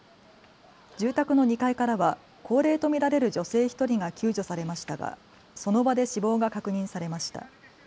住宅の２階からは高齢と見られる女性１人が救助されましたがその場で死亡が確認されました。